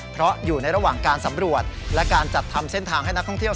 เพราะอยู่ในระหว่างการสำรวจและการจัดทำเส้นทางให้นักท่องเที่ยว